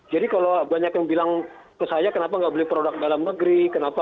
jadi kalau banyak yang bilang ke saya kenapa nggak beli produk dalam negeri